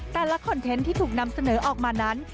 คอนเทนต์ที่ถูกนำเสนอออกมานั้น